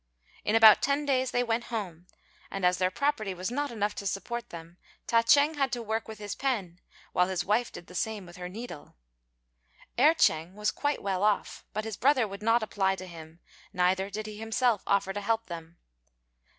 In about ten days they went home, and, as their property was not enough to support them, Ta ch'êng had to work with his pen while his wife did the same with her needle. Erh ch'êng was quite well off, but his brother would not apply to him, neither did he himself offer to help them.